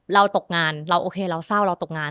เราตกงานเราโอเคเราเศร้าเราตกงาน